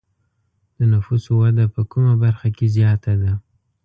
د نفوسو وده په کومه برخه کې زیاته ده؟